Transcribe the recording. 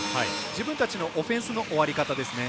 自分たちのオフェンスの終わり方ですね。